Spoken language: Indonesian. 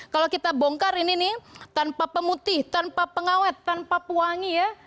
kalau kita bongkar ini nih tanpa pemutih tanpa pengawet tanpa pewangi ya